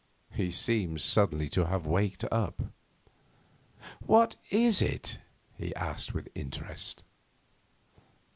He seemed suddenly to have waked up. 'What is it?' he asked with interest.